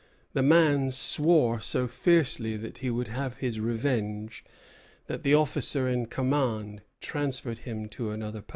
The man swore so fiercely that he would have his revenge, that the officer in command transferred him to another post.